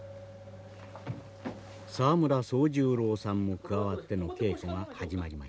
沢村宗十郎さんも加わっての稽古が始まりました。